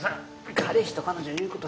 彼氏と彼女の言うこと